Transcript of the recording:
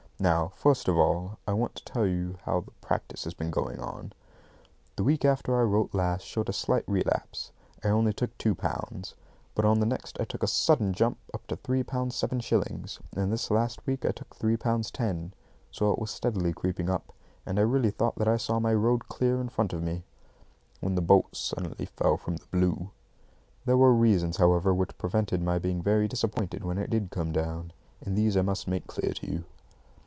Now, first of all, I want to tell you about how the practice has been going on. The week after I wrote last showed a slight relapse. I only took two pounds. But on the next I took a sudden jump up to three pounds seven shillings, and this last week I took three pounds ten. So it was steadily creeping up; and I really thought that I saw my road clear in front of me, when the bolt suddenly fell from the blue. There were reasons, however, which prevented my being very disappointed when it did come down; and these I must make clear to you.